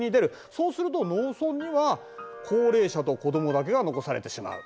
そうすると農村には高齢者と子どもだけが残されてしまう。